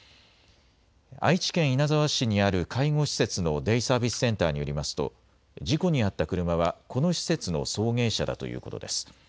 愛知県稲沢市にある介護施設のデイサービスセンターによりますと事故に遭った車はこの施設の送迎車だということです。